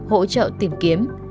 hỗ trợ tìm kiếm